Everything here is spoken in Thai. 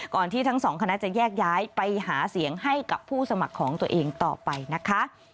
ที่ทั้งสองคณะจะแยกย้ายไปหาเสียงให้กับผู้สมัครของตัวเองต่อไปนะคะ